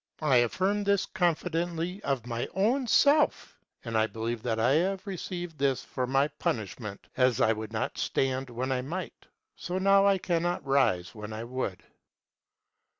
I affirm this confidently of my own self. And I believe that I have received this for my punishment, as I would not stand when I might, so now I cannot rise when I would.